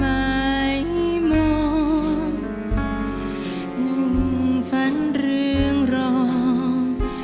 หมายมองหนุ่มฝันเรื่องรอง